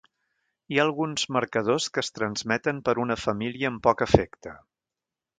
Hi ha alguns marcadors que es transmeten per una família amb poc efecte.